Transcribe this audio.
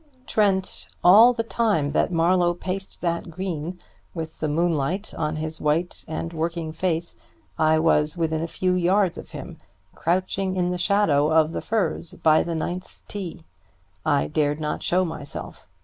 "Trent, all the time that Marlowe paced that green, with the moonlight on his white and working face, I was within a few yards of him, crouching in the shadow of the furze by the ninth tee. I dared not show myself.